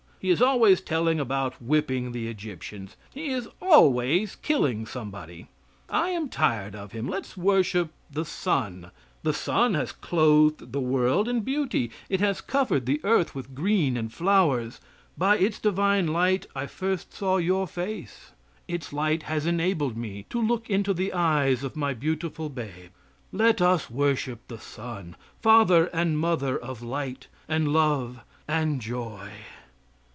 He is always telling about whipping the Egyptians. He is always killing somebody. I am tired of Him. Let us worship the sun. The sun has clothed the world in beauty; it has covered the earth with green and flowers; by its divine light I first saw your face; its light has enabled me to look into the eyes of my beautiful babe. Let us worship the sun, father and mother of light and love and joy."